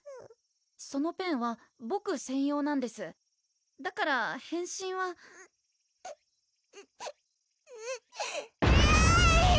そのペンはボク専用なんですだから変身はうっうっうっえる！